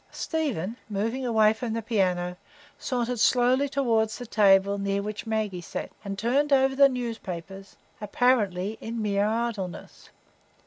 Stephen, moving away from the piano, sauntered slowly toward the table near which Maggie sat, and turned over the newspapers, apparently in mere idleness.